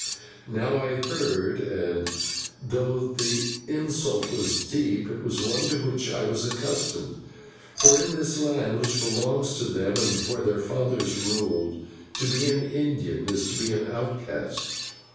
Now I heard, and though the insult was deep, it was one to which I was accustomed, for in this land, which belongs to them and where their fathers ruled, to be an Indian is to be an outcast.